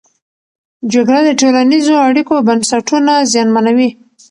جګړه د ټولنیزو اړیکو بنسټونه زیانمنوي.